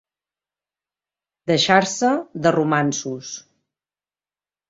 Deixar-se de romanços.